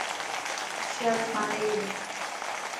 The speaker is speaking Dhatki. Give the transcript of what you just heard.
شرٽ ڦاٽي گيو.